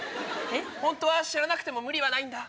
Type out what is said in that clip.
本当は知らなくても無理はないんだ。